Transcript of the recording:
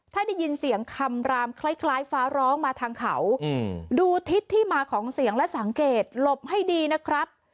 ถ้าได้ยินเสียงคำรามคล้ายฟ้าร้องมาทางเขาดูทิศที่มาของเสียงและสังเกตหลบให้ดีนะครับ